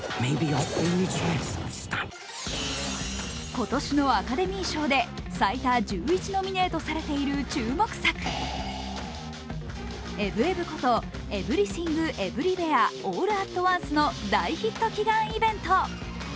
今年のアカデミー賞で最多１１ノミネートされている注目作「エブエブ」こと「エブリシング・エブリウェア・オール・アット・ワンス」の大ヒット祈願イベント。